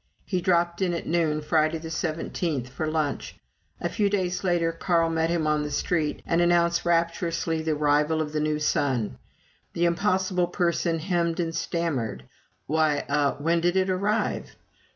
He dropped in at noon Friday the 17th, for lunch. A few days later Carl met him on the street and announced rapturously the arrival of the new son. The impossible person hemmed and stammered: "Why er when did it arrive?"